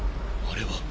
あれは。